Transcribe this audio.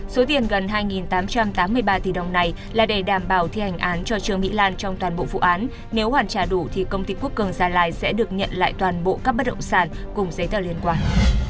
số tiền gần hai tám trăm tám mươi ba tỷ đồng này là để đảm bảo thi hành án cho trương mỹ lan trong toàn bộ vụ án nếu hoàn trả đủ thì công ty quốc cường gia lai sẽ được nhận lại toàn bộ các bất động sản cùng giấy tờ liên quan